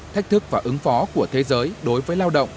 thách thức và ứng phó của thế giới đối với lao động